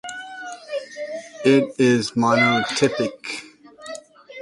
It is monotypic.